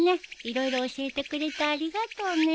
色々教えてくれてありがとうね。